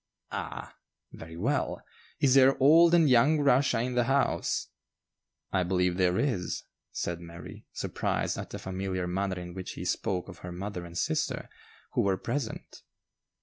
"Ah! very well. Is there old and young Russia in the house?" "I believe there is," said Mary, surprised at the familiar manner in which he spoke of her mother and sister, who were present.